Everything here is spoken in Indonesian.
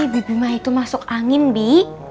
bebima itu masuk angin bi